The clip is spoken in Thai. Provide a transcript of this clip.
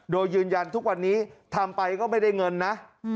โดยยืนยันทุกวันนี้ทำไปก็ไม่ได้เงินนะ